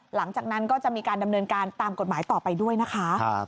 หลังจากนั้นก็จะมีการดำเนินการตามกฎหมายต่อไปด้วยนะคะ